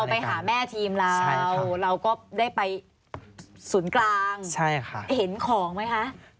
ไปหาแม่ทีมเราเราก็ได้ไปศูนย์กลางเห็นของไหมคะ